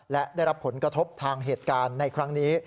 และได้รับผลกระทบทางเหตุการณ์ในครั้งนี้